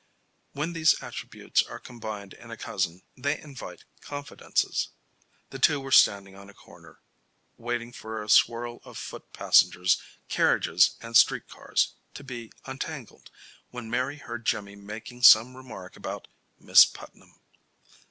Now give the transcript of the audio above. When these attributes are combined in a cousin they invite confidences. The two were standing on a corner, waiting for a swirl of foot passengers, carriages and street cars, to be untangled, when Mary heard Jimmy making some remark about "Miss Putnam."